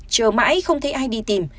trời đất chờ mãi không thấy ai đi tìm